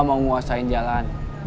mau nguasain jalan